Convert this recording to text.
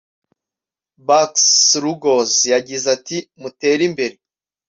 Barks-Ruggles yagize ati” mutere imbere